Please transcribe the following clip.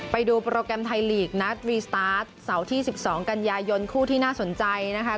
ไปดูโปรแกรมไทยลีกนัดรีสตาร์ทเสาร์ที่๑๒กันยายนคู่ที่น่าสนใจนะคะ